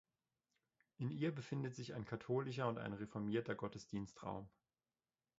In ihr befindet sich ein katholischer und ein reformierter Gottesdienstraum.